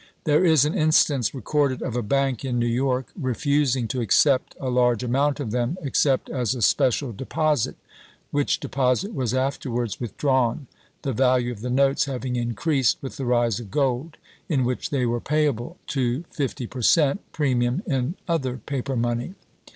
There is an instance recorded of a bank in New York re fusing to accept a large amount of them except as a special deposit, which deposit was afterwards with drawn, the value of the notes having increased with the rise of gold, in which they were payable, to fifty per cent, premium in other paper money.